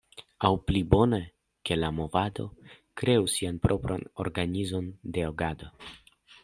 Aŭ pli bone, ke la movado kreu sian propran organizon de agado.